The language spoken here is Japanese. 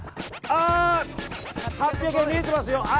８００、見えてますよ！